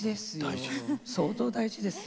相当、大事です。